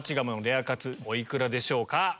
お幾らでしょうか？